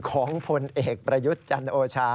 ของผลเอกประยุทธ์จันโอชา